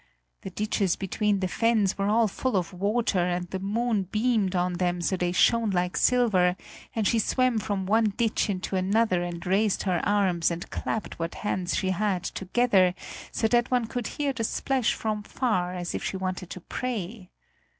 The ditches between the fens were all full of water, and the moon beamed on them so that they shone like silver; and she swam from one ditch into another and raised her arms and clapped what hands she had together, so that one could hear the splash from far, as if she wanted to pray.